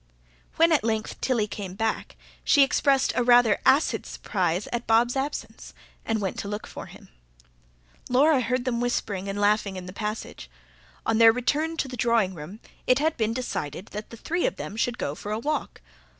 When at length Tilly came back, she expressed a rather acid surprise at Bob's absence, and went to look for him; Laura heard them whispering and laughing in the passage. On their return to the drawing room it had been decided that the three of them should go for a walk.